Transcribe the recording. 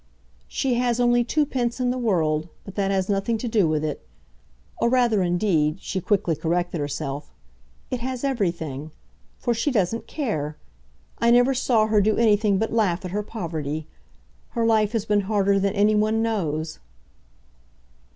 "She has only twopence in the world but that has nothing to do with it. Or rather indeed" she quickly corrected herself "it has everything. For she doesn't care. I never saw her do anything but laugh at her poverty. Her life has been harder than anyone knows."